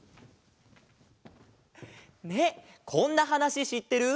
ねえこんなはなししってる？